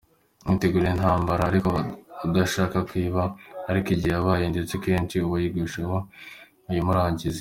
witegura intambara ariko udashaka ko iba, ariko igihe yabaye ndetse kenshi uwayigushojeho uyimurangirize.